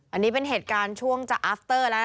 อันนี้เป็นเหตุการณ์ช่วงจะอัฟเตอร์แล้ว